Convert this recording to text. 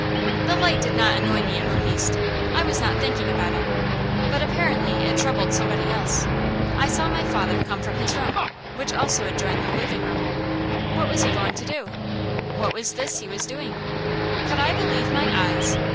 The light did not annoy me in the least; I was not thinking about it. But apparently it troubled somebody else. I saw my father come from his room, which also adjoined the living room. What was he going to do? What was this he was doing? Could I believe my eyes?